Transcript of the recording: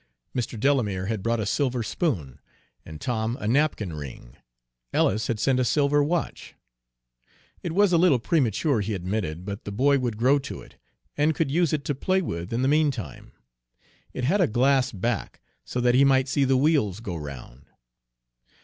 Mr. Delamere had brought a silver spoon, and Tom a napkin ring. Ellis had sent a silver watch; it was a little premature, he admitted, but the boy would grow to it, and could use it to play with in the mean time. It had a glass back, so that he might see the wheels go round.